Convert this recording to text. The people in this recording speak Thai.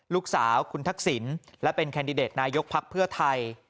ลูกสาวคุณทักษิณและเป็นแคนดิเดตนายกภักดิ์เพื่อไทย